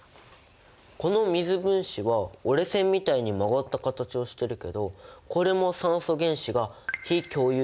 この水分子は折れ線みたいに曲がった形をしてるけどこれも酸素原子が非共有